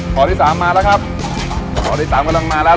ข้อที่สามมาแล้วครับข้อที่สามกำลังมาแล้ว